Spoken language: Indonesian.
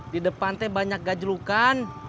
di depan banyak gajlukan